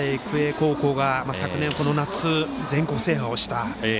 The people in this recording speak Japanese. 仙台育英高校が昨年、この夏、全国制覇をした。